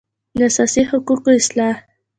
د اساسي حقوقو اصطلاح